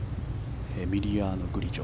エミリアノ・グリジョ。